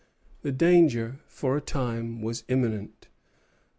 The danger for a time was imminent.